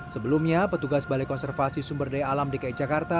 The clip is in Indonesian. sebelumnya petugas balai konservasi sumber daya alam dki jakarta